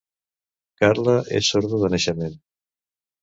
Carla és sorda de naixement.